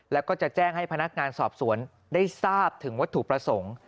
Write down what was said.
แล้วก็จะแจ้งให้พนักงานสอบสวนได้ทราบถึงวัตถุประสงค์